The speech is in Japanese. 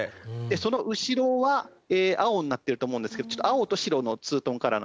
その後ろは青になってると思うんですけど青と白のツートンカラー。